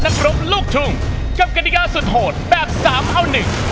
นักรบลูกทุ่งกับกฎิกาสุดโหดแบบ๓เอา๑